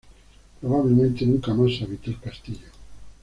Probablemente nunca más se habitó el castillo.